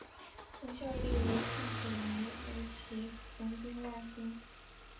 曾效力于近铁野牛及横滨湾星。